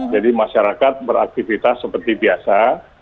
jadi masyarakat beraktivitas seperti biasa